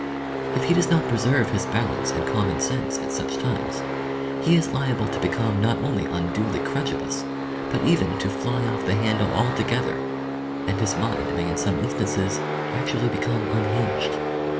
If he does not preserve his balance and common sense at such times, he is liable to become not only unduly credulous but even to "fly off the handle" altogether, and his mind may in some instances actually become unhinged.